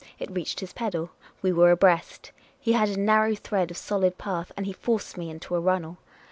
It reached his pedal. We were abreast. He had a narrow thread of solid path, and he forced me into a runnel.